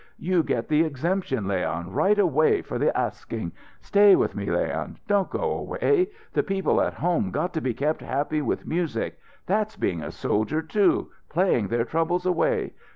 You get the exemption, Leon, right away for the asking. Stay with me Leon! Don't go away! The people at home got to be kept happy with music. That's being a soldier, too, playing their troubles away.